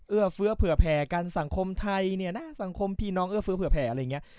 เฟื้อเผื่อแผ่กันสังคมไทยเนี่ยนะสังคมพี่น้องเอื้อเฟื้อเผื่อแผ่อะไรอย่างนี้